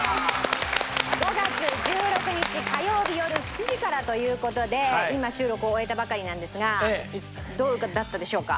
５月１６日火曜日よる７時からという事で今収録を終えたばかりなんですがどうだったでしょうか？